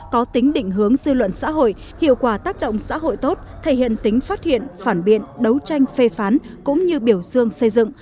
có tính định hướng dư luận xã hội hiệu quả tác động xã hội tốt thể hiện tính phát hiện phản biện đấu tranh phê phán cũng như biểu dương xây dựng